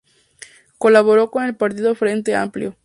Colaboró con el Partido Frente Amplio.